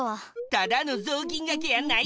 ただのぞうきんがけやないで。